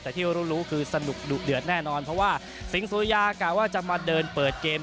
แต่ที่รู้รู้คือสนุกดุเดือดแน่นอนเพราะว่าสิงสุริยากะว่าจะมาเดินเปิดเกม